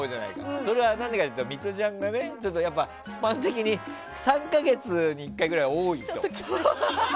それは何でかというとミトちゃんがスパン的に３か月に１回は多いと。